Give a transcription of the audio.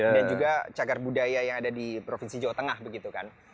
dan juga cagar budaya yang ada di provinsi jawa tengah begitu kan